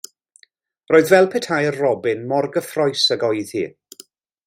Roedd fel petai'r robin mor gyffrous ag oedd hi.